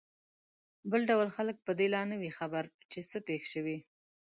بل ډول خلک په دې لا نه وي خبر چې څه پېښ شوي.